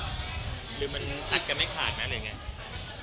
หรือมันอัดกันไม่ขาดนะหรือยังไง